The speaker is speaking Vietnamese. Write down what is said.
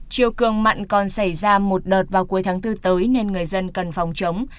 chiều cường mặn còn xảy ra một đợt vào cuối tháng bốn tới nên người dân cần phòng chống